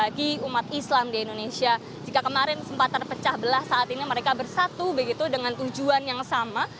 jadi umat islam di indonesia jika kemarin sempat terpecah belah saat ini mereka bersatu begitu dengan tujuan yang sama